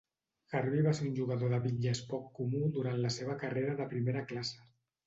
Harvey va ser un jugador de bitlles poc comú durant la seva carrera de primera classe.